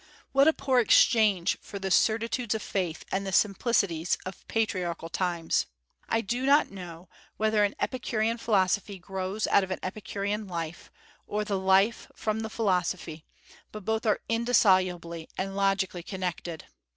what a poor exchange for the certitudes of faith and the simplicities of patriarchal times! I do not know whether an Epicurean philosophy grows out of an Epicurean life, or the life from the philosophy; but both are indissolubly and logically connected.